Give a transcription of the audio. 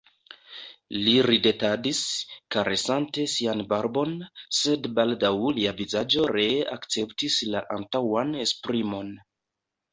Li ridetadis, karesante sian barbon, sed baldaŭ lia vizaĝo ree akceptis la antaŭan esprimon.